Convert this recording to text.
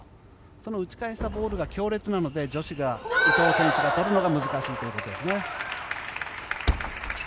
その打ち返したボールが強烈なので女子が、伊藤選手が取るのが難しいということですね。